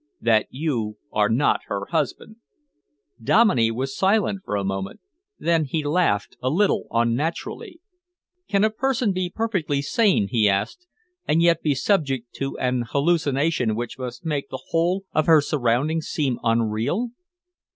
"That you are not her husband." Dominey was silent for a moment. Then he laughed a little unnaturally. "Can a person be perfectly sane," he asked, "and yet be subject to an hallucination which must make the whole of her surroundings seem unreal?"